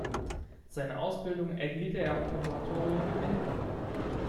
Seine Ausbildung erhielt er am Konservatorium in Halle.